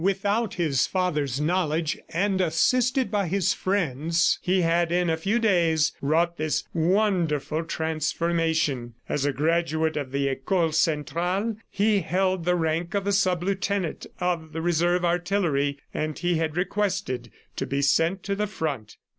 Without his father's knowledge, and assisted by his friends, he had in a few days, wrought this wonderful transformation. As a graduate of the Ecole Centrale, he held the rank of a sub lieutenant of the Reserve Artillery, and he had requested to be sent to the front.